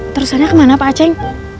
terusannya kemana pak ceng